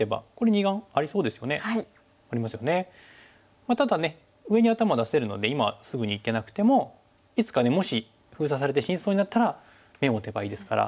まあただね上に頭出せるので今すぐにいけなくてもいつかねもし封鎖されて死にそうになったら眼を持てばいいですから。